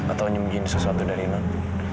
atau nyembunyikan sesuatu dari non